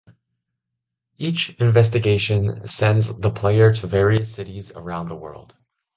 Each investigation sends the player to various cities around the world.